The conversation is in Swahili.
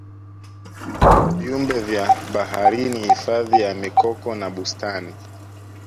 viumbe vya baharini Hifadhi ya mikoko na bustani